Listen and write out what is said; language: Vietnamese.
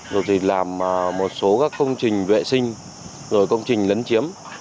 rồi thì làm một số các công trình vệ sinh rồi công trình lấn chiếm